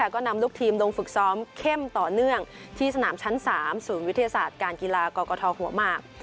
ก็นำลูกทีมลงฝึกซ้อมเข้มต่อเนื่องที่สนามชั้น๓ศูนย์วิทยาศาสตร์การกีฬากรกฐหัวหมาก